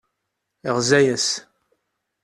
Yeɣza-as.